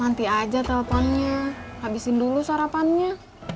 nanti aja telponnya habisin dulu sarapannya